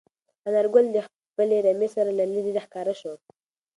انارګل د خپلې رمې سره له لیرې راښکاره شو.